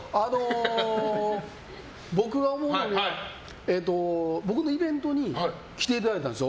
僕が思うのは僕のイベントに来ていただいたんです